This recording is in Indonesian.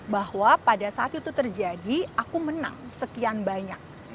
bahwa pada saat itu terjadi aku menang sekian banyak